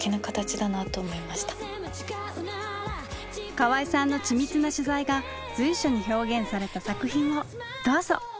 河合さんの緻密な取材が随所に表現された作品をどうぞ！